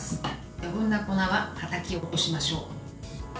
余分な粉ははたき落としましょう。